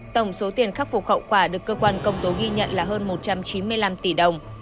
tổng số tiền khắc phục hậu quả được cơ quan công tố ghi nhận là hơn một trăm chín mươi năm tỷ đồng